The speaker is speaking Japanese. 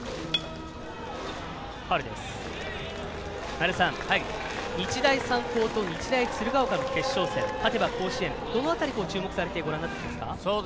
前田さん、日大三高と日大鶴ヶ丘の決勝戦勝てば甲子園どの辺り、注目されてご覧になっていますか？